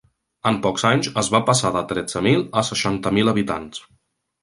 En pocs anys es va passar de tretze mil a seixanta mil habitants.